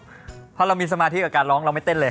เพราะเรามีสมาธิกับการร้องเราไม่เต้นเลย